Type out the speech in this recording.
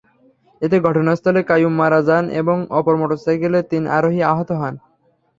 এতে ঘটনাস্থলে কাইয়ুম মারা যান এবং অপর মোটরসাইকেলের তিন আরোহী আহত হন।